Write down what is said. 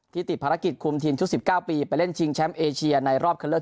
ติดภารกิจคุมทีมชุด๑๙ปีไปเล่นชิงแชมป์เอเชียในรอบคันเลือก